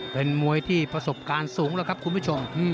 เป็นมวยที่ประสบการณ์สูงแล้วครับคุณผู้ชม